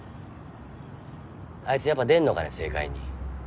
あいつやっぱ出んのかね政界に。